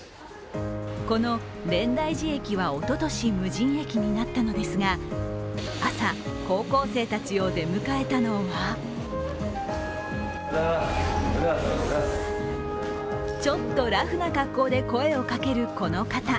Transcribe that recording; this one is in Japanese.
この蓮台寺駅は、おととし無人駅になったのですが、朝、高校生たちを出迎えたのはちょっとラフな格好で声をかけるこの方。